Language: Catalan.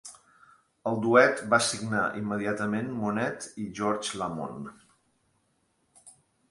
El duet va signar immediatament Monet i George Lamond.